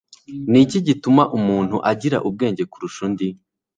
Ni iki gituma umuntu agira ubwenge kurusha undi?